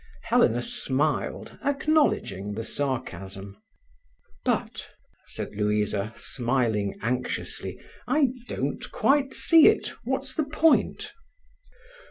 Helena smiled, acknowledging the sarcasm. "But," said Louisa, smiling anxiously, "I don't quite see it. What's the point?"